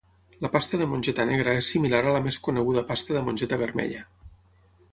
La pasta de mongeta negra és similar a la més coneguda pasta de mongeta vermella.